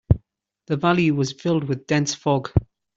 The valley was filled with dense fog.